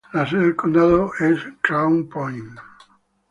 La sede del condado es Crown Point.